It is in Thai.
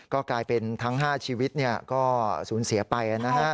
ก็กลายเป็นทั้ง๕ชีวิตก็สูญเสียไปนะฮะ